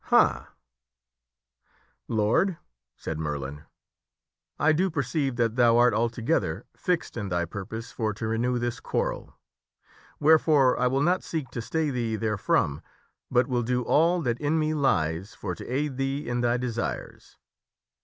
" Ha ! Lord," said Merlin, " I do perceive that thou art altogether fixed in thy purpose for to renew this quarrel. Wherefore, I will not seek to stay thee therefrom, but will do ail that in me lies for to aid thee in thy desires.